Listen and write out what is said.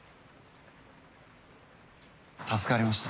助かりました。